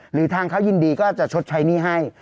หรือทางเขายินดีก็จะชดใช้หนี้ให้